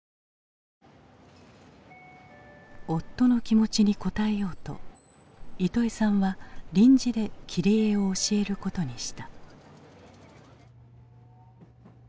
夫の気持ちに応えようとイトエさんは臨時で切り絵を教えることにした。